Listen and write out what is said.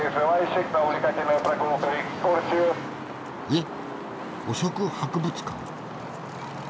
えっ汚職博物館？